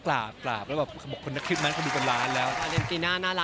อ้าวพี่แจ็กตัวต้นเลื่องอีกแล้วนะ